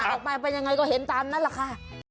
ออกมาเป็นยังไงก็เห็นตามนั้นแหละค่ะ